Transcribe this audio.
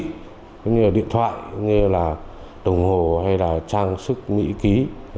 như là điện thoại đồng hồ hay trang sức mỹ ký